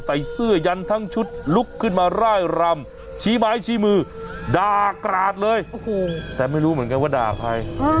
ใส่เสื้อยันทั้งชุดลุกขึ้นมาร่ายรำชี้ไม้ชี้มือด่ากราดเลยแต่ไม่รู้เหมือนกันว่าด่าใคร